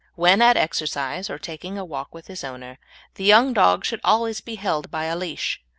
When at exercise, or taking a walk with his owner, the young dog should always be held by a leash.